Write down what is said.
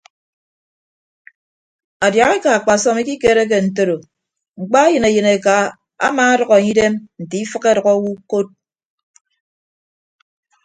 Adiahaeka akpasọm ikikereke ntoro mkpa eyịn eyịneka amaadʌk enye idem nte ifịk adʌk awo ukod.